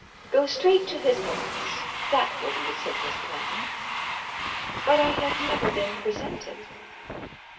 "Go straight to his box; that will be the simplest plan." "But I have never been presented."